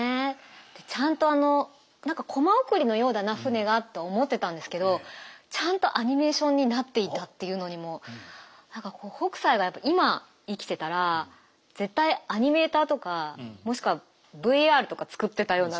ちゃんとあの何か「コマ送りのようだな舟が」と思ってたんですけどちゃんとアニメーションになっていたっていうのにも何かこう北斎が今生きてたら絶対アニメーターとかもしくはＶＲとか作ってたような。